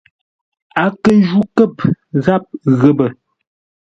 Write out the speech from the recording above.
A kə ju kə̂p gháp ghəpə.